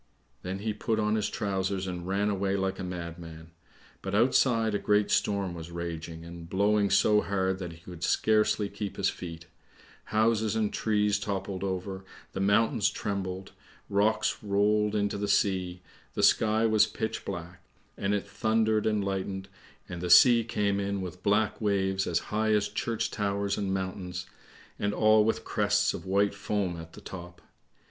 Then he put on his trousers and ran away like a madman. But outside a great storm was raging, and blowing so hard that he could scarcely keep his feet; houses and trees toppled over, the mountains trembled, rocks rolled into the sea, the sky was pitch black, and it thundered and lightened, and the sea came in with black waves as high as church towers and mountains, and all with crests of white foam at the top.